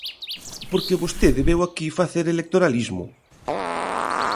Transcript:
Porque vostede veu aquí facer electoralismo.